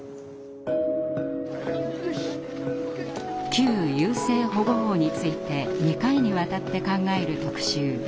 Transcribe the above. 旧優生保護法について２回にわたって考える特集。